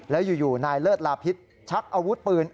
แล้วอยู่นายเลิศลาพิษชักอาวุธปืน